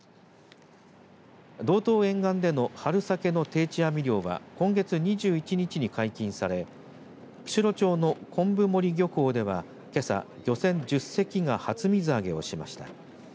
道東沿岸での春サケの定置網漁は今月２１日に解禁され釧路町の昆布森漁港ではけさ漁船１０隻が初水揚げをしました。